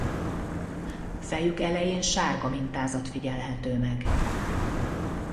Fejük elején sárga mintázat figyelhető meg.